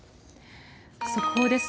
速報です。